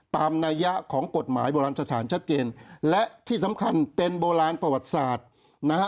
นัยยะของกฎหมายโบราณสถานชัดเจนและที่สำคัญเป็นโบราณประวัติศาสตร์นะฮะ